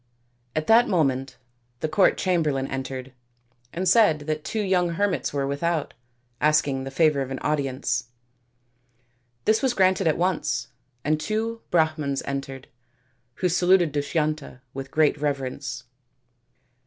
At that moment the court chamberlain entered and said that two young hermits were without, asking the favour of an audience. This was granted at once, and two Brahmans entered, who saluted Dushyanta with great reverence.